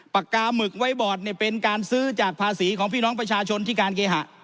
ปากกาหมึกไว้บอดเนี่ยเป็นการซื้อจากภาษีของพี่น้องประชาชนที่การเคหะ